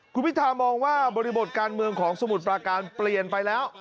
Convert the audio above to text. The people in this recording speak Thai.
คุณพิธามองว่าบริบทการเมืองของสมุทรปราการเปลี่ยนไปแล้ว